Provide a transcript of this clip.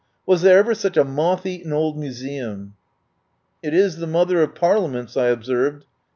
Was there ever such a moth eaten old museum?" "It is the Mother of Parliaments," I ob served.